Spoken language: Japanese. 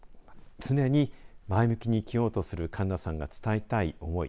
常に前向きに生きようとする栞奈さんが伝えたい思い。